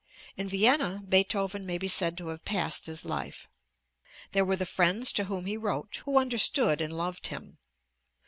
In Vienna, Beethoven may be said to have passed his life. There were the friends to whom he wrote who understood and loved him.